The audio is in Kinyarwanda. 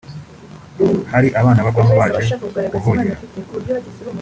hari abana bagwamo baje kuhogera